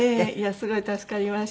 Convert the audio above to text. すごい助かりました。